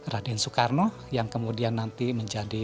raden soekarno yang kemudian nanti menjadi